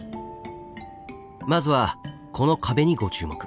まずはこの壁にご注目。